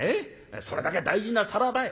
それだけ大事な皿だよ。